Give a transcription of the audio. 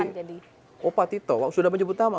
oh jadi pak tito sudah menyebut nama